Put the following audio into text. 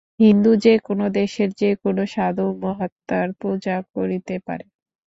হিন্দু যে-কোন দেশের যে-কোন সাধু-মহাত্মার পূজা করিতে পারে।